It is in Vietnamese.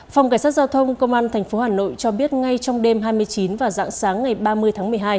phòng cảnh sát giao thông công an tp hà nội cho biết ngay trong đêm hai mươi chín và dạng sáng ngày ba mươi tháng một mươi hai